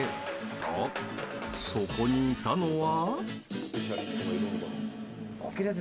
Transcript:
と、そこにいたのは。